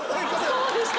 そうでしたね。